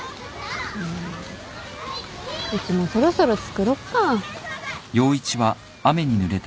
うちもそろそろつくろっか。